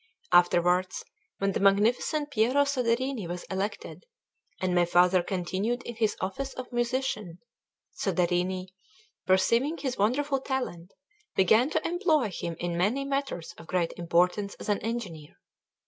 Afterwards, when the magnificent Piero Soderini was elected, and my father continued in his office of musician, Soderini, perceiving his wonderful talent, began to employ him in many matters of great importance as an engineer.